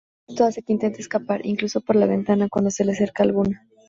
Esto hace que intente escapar, incluso por la ventana, cuando se le acerca alguna.